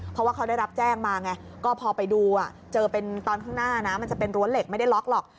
เพราะว่าเขาได้รับแจ้งมาไงก็พอไปดูเจอเป็นตอนข้างหน้านะมันจะเป็นรั้วเหล็กไม่ได้ล็อกหรอก